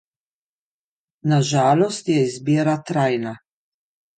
Na žalost je izbira trajna.